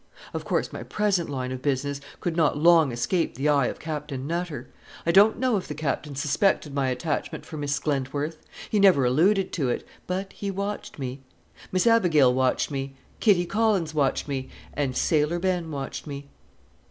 Of course my present line of business could not long escape the eye of Captain Nutter. I don't know if the Captain suspected my attachment for Miss Glentworth. He never alluded to it; but he watched me. Miss Abigail watched me, Kitty Collins watched me, and Sailor Ben watched me.